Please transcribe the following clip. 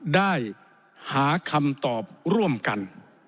ได้หาคำตอบร่วมกัน